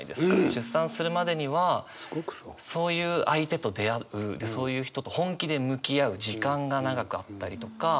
出産するまでにはそういう相手と出会うでそういう人と本気で向き合う時間が長くあったりとか。